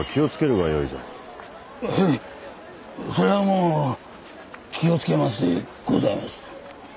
もう気を付けますでございます。